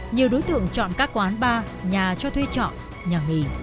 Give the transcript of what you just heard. nhiều đối tượng chọn các quán bar nhà cho thuê trọ nhà nghỉ